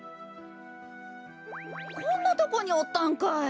こんなとこにおったんかい！